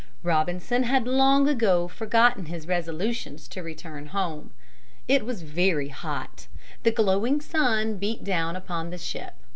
Robinson had long ago forgotten his resolutions to return home. It was very hot. The glowing sun beat down upon the ship.